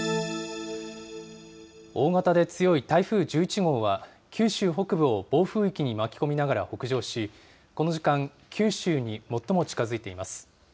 大型で強い台風１１号は、九州北部を暴風域に巻き込みながら北上し、この時間、九州に最も近づいています。